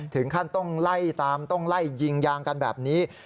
ถึงขั้นต้องไล่ตามต้องไล่ยิงยางกันแบบนี้